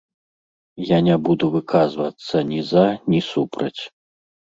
Я не буду выказвацца ні за, ні супраць.